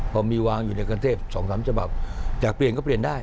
พอมีวางอยู่ในกรุงเทพ๒๓ฉบับอยากเปลี่ยนก็เปลี่ยนได้